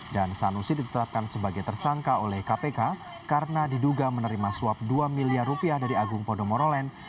dan sanusi ditetapkan sebagai tersangka oleh kpk karena diduga menerima suap dua miliar rupiah dari agung podomorolen